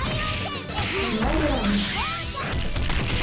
аҥа-йыраҥ